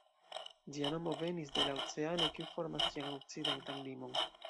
Ĝia nomo venis de la oceano, kiu formas ĝian okcidentan limon.